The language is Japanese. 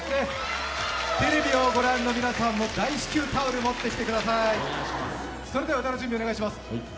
テレビをご覧の皆さんも大至急タオル持ってきてください。